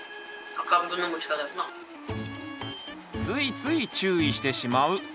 ついつい注意してしまう。